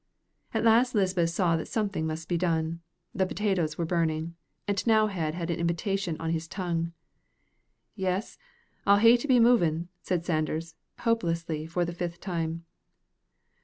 At last Lisbeth saw that something must be done. The potatoes were burning, and T'nowhead had an invitation on his tongue. "Yes, I'll hae to be movin'," said Sanders, hopelessly, for the fifth time.